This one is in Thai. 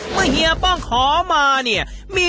แล้วก็มีเก่าลับ